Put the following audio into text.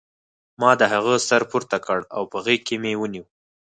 ما د هغې سر پورته کړ او په غېږ کې مې ونیو